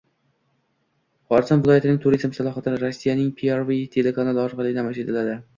Xorazm valoyatining turizm salohiyati Rossiyaning “Pervыy” telekanali orqali namoyish etiladi